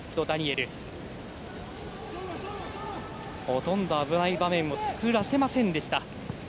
ほとんど危ない場面を作らせませんでした。